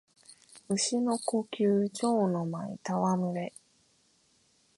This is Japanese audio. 蟲の呼吸蝶ノ舞戯れ（ちょうのまいたわむれ）